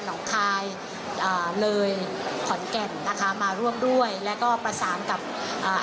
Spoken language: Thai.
น้องคายอ่าเลยขอนแก่นนะคะมาร่วมด้วยแล้วก็ประสานกับอ่า